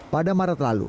pada maret lalu